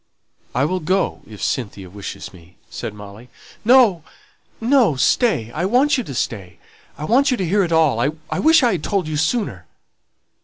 "I will go if Cynthia wishes me," said Molly. "No, no; stay I want you to stay I want you to hear it all I wish I had told you sooner."